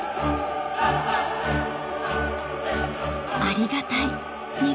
ありがたい